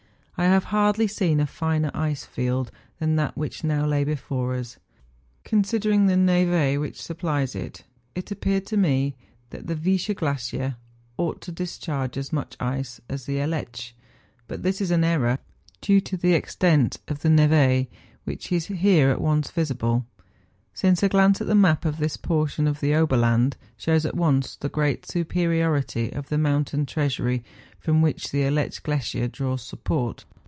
I have hardly seen a finer ice field than that which now lay before us. Considering the which supplies it, it appeared to me that the Viescher glacier ought to discharge as much ice as the Aletsch; but this is an error due to the extent of neve, which is here at once visible ; since a glance at the map of this portion of the Oberland shows at once the great superiority of the mountain treasury from whicli the Aletsch glacier draws support.